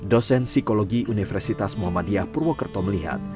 dosen psikologi universitas muhammadiyah purwokerto melihat